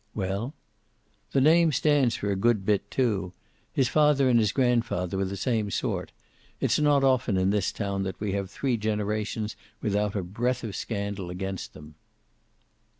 "Well?" "The name stands for a good bit, too. His father and his grandfather were the same sort. It's not often in this town that we have three generations without a breath of scandal against them."